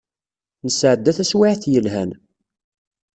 Nesɛedda taswiɛt yelhan.